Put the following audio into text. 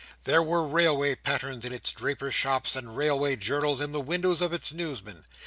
There were railway patterns in its drapers' shops, and railway journals in the windows of its newsmen.